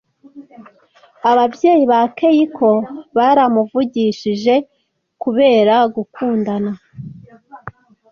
Ababyeyi ba Keiko baramuvugishije kubera gukundana.